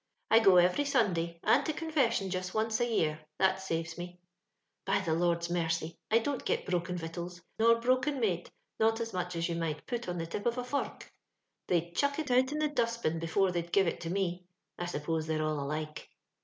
I go every Sundi^, and to Confession just once a yoar ^tbatsaTes me. " By Uie Lord's mercy ! I don't get broken ▼ictnals, nor broken mate, not as much as yon might put on the tip of a fomik ; they'd chuck it out m the dubt bin before th^d give it to me. I suppose tlicy're all alike.